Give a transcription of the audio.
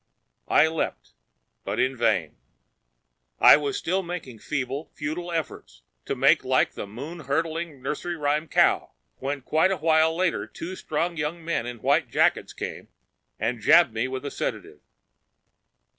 I leaped—but in vain. I was still making feeble, futile efforts to make like the moon hurdling nursery rhyme cow when quite a while later two strong young men in white jackets came and jabbed me with a sedative